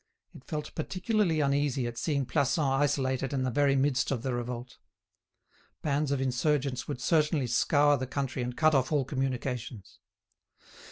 It felt particularly uneasy at seeing Plassans isolated in the very midst of the revolt. Bands of insurgents would certainly scour the country and cut off all communications.